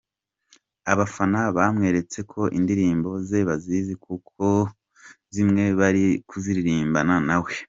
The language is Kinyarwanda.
Abafana bamweretse ko indirimbo ze bazizi kuko zimwe bari kuziririmbana na we.